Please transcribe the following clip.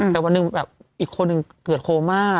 แต่วันหนึ่งแบบอีกคนหนึ่งเกิดโคม่า